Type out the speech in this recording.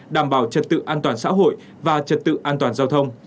đảm bảo trật tự an toàn xã hội và trật tự an toàn giao thông